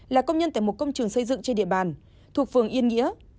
là công nhân tại một công trường xây dựng trên địa bàn thuộc phường yên nghĩa